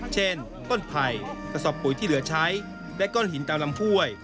เช่นต้นไผ่กระสอบปุ๋ยที่เหลือใช้และก้อนหินตามลำห้วย